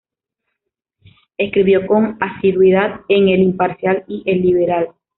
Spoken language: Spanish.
Escribió con asiduidad en "El Imparcial" y "El Liberal".